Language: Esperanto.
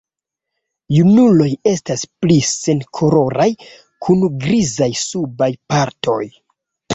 Junuloj estas pli senkoloraj kun grizaj subaj partoj.